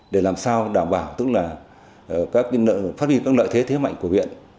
để làm sao đảm bảo tức là phát huy các lợi thế thế mạnh của huyện